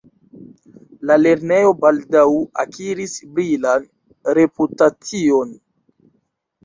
La lernejo baldaŭ akiris brilan reputacion.